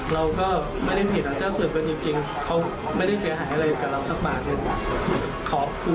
เราก็ไม่ได้ผิดหรอกเจ้าสื่อเป็นจริงเขาไม่ได้เสียหายอะไรกับเราสักบาทนึง